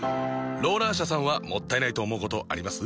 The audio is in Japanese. ローラー車さんはもったいないと思うことあります？